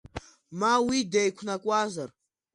Ма уи деиқәнакуазар?!